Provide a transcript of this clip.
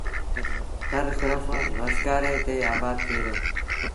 ٿر سرڦ وسڪآري تي آبآد ٿئي دو۔